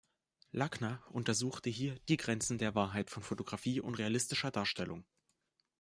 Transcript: Lakner untersuchte hier die Grenzen der Wahrheit von Fotografie und realistischer Darstellung.